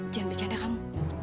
jangan bercanda kamu